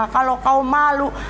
kalau kau malu